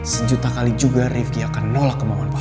sejuta kali juga rifki akan nolak kemohon papa